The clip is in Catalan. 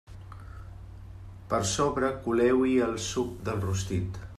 Per sobre coleu-hi el suc del rostit.